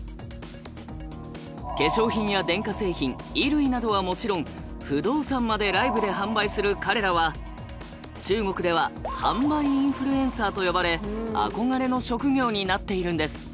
化粧品や電化製品衣類などはもちろん不動産までライブで販売する彼らは中国では「販売インフルエンサー」と呼ばれ憧れの職業になっているんです。